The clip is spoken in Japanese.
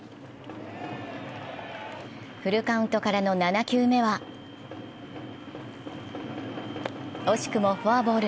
フルカウントからの７球目は惜しくもフォアボール。